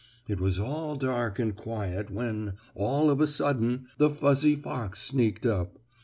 It was all dark and quiet when, all of a sudden, the fuzzy fox sneaked up.